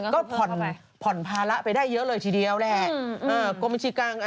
ก็ผ่อนภาระไปได้เยอะเลยทีเดียวแหละ